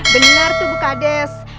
benar tuh bu kades